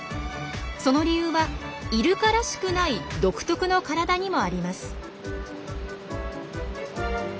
その理由はイルカらしくない独特の体にもあります。